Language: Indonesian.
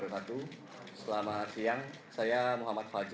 untuk iu sahabat